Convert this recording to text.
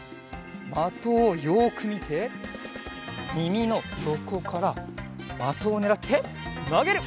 まとをよくみてみみのよこからまとをねらってなげる！